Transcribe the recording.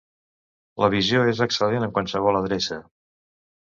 La visió és excel·lent en qualsevol adreça.